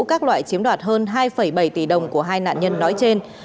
các loại chiếm đoạt hơn hai bảy tỷ đồng của hai nạn nhân nói trên